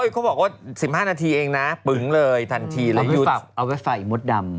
เขาบอกว่า๑๕นาทีเองนะปึงเลยทันทีแล้วเอาไว้ใส่มดดำ